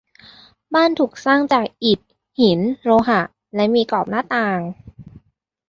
บ้านถูกสร้างจากอิฐ หิน โลหะ และมีกรอบหน้าต่าง